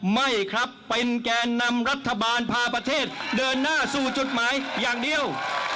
ไม่ครับเป็นแก่นำรัฐบาลพาประเทศเดินหน้าสู่จดหมายอย่างเดียว